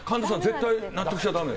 絶対、納得しちゃダメ。